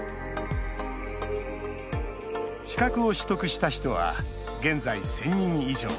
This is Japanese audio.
資格を取得した人は現在１０００人以上。